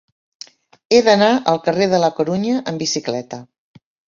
He d'anar al carrer de la Corunya amb bicicleta.